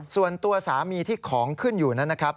ส่วนตัวสามีที่ของขึ้นอยู่นั้นนะครับ